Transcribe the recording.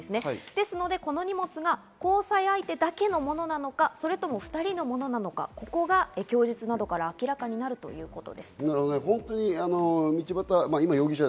ですので、この荷物が交際相手だけのものなのか、それとも２人のものなのか、ここが供述などから明らかになるということです。